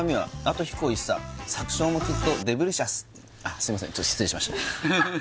すいませんちょっと失礼しました